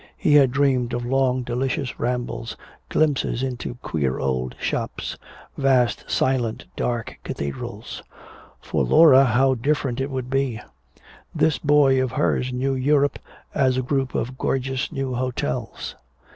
He had dreamed of long delicious rambles, glimpses into queer old shops, vast, silent, dark cathedrals. For Laura how different it would be. This boy of hers knew Europe as a group of gorgeous new hotels.